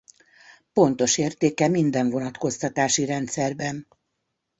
Pontos értéke minden vonatkoztatási rendszerben.